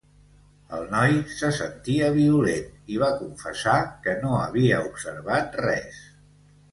El noi se sentia violent i va confessar que no havia observat res.